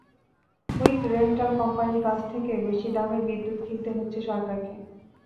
Quick rental কোম্পানির কাছ থেকে বেশি দামে বিদ্যুৎ কিনতে হচ্ছে সরকারকে।